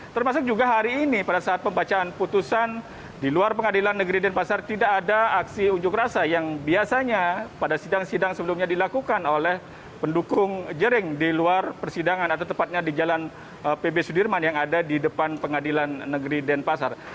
termasuk juga hari ini pada saat pembacaan putusan di luar pengadilan negeri denpasar tidak ada aksi unjuk rasa yang biasanya pada sidang sidang sebelumnya dilakukan oleh pendukung jering di luar persidangan atau tepatnya di jalan pb sudirman yang ada di depan pengadilan negeri denpasar